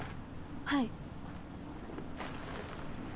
はい。